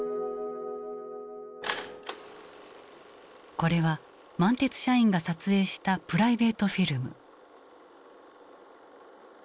これは満鉄社員が撮影したプライベートフィルム。